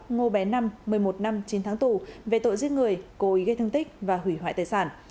ngô bé năm một mươi một năm chín tháng tù về tội giết người cố ý gây thương tích và hủy hoại tài sản